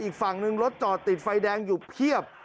อีกฝั่งนึงรถจอดติดไฟแดงอยู่เพียบ